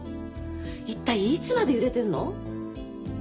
一体いつまで揺れてるの！？